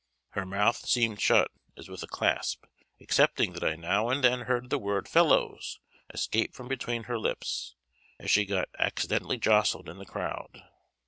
Her mouth seemed shut as with a clasp; excepting that I now and then heard the word "fellows!" escape from between her lips, as she got accidentally jostled in the crowd.